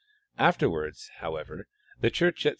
Afterwards, however, the church of S.